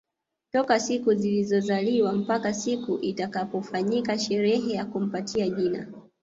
Toka siku alipozaliwa mpaka siku itakapofanyika sherehe ya kumpatia jina